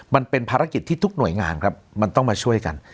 มันเป็นภารกิจที่ทุกหน่วยงานครับมันต้องมาช่วยกัน